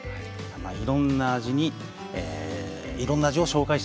いろんな味にいろんな味を紹介したいと思います。